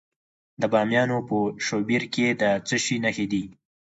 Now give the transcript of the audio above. د بامیان په شیبر کې د څه شي نښې دي؟